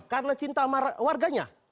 karena cinta sama warganya